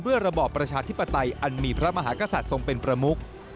ระบอบประชาธิปไตยอันมีพระมหากษัตริย์ทรงเป็นประมุก